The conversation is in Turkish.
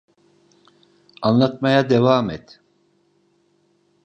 Anlatmaya devam et.